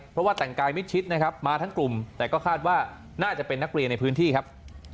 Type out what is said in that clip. เพราะว่าแต่งกายมิดชิดนะครับมาทั้งกลุ่มแต่ก็คาดว่าน่าจะเป็นนักเรียนในพื้นที่ครับ